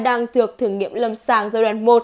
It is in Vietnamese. đang thược thử nghiệm lâm sàng giai đoạn một